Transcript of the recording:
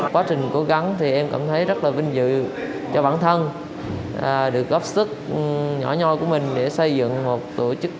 quá trình cố gắng thì em cảm thấy rất là vinh dự cho bản thân được góp sức nhỏ nho của mình để xây dựng một tổ chức